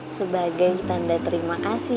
sebagai tanda terima kasih